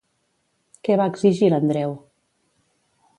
Què va exigir l'Andreu?